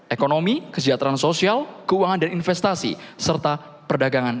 ekonomi kesejahteraan sosial keuangan dan investasi serta perdagangan